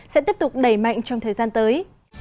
sẽ tiếp tục đẩy mạnh trong thời gian tới